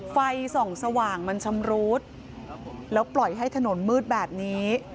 ไฟส่องสว่างมันชำรุดแล้วปล่อยให้ถนนมืดแบบนี้